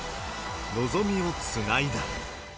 望みをつないだ。